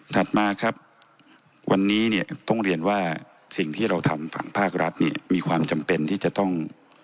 ถัดมาครับวันนี้เนี่ยต้องเรียนว่าสิ่งที่เราทำฝั่งภาครัฐเนี่ยมีความจำเป็นที่จะต้อง